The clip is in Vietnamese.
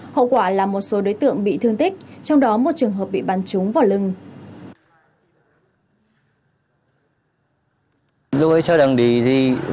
hậu quả là một số đối tượng bị thương tích trong đó một trường hợp bị bắn trúng vào lưng